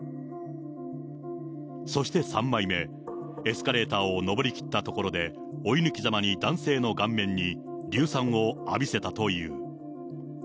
そして３枚目、エスカレーターを上りきったところで追い抜きざまに男性の顔面に硫酸を浴びせたという。